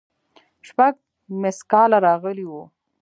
شپږ ميسکاله راغلي وو.